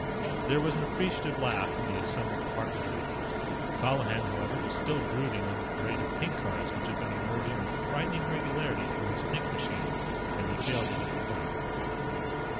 There was an appreciative laugh from the assembled department heads. Colihan, however, was still brooding on the parade of pink cards which had been emerging with frightening regularity from his think machine, and he failed to get the point.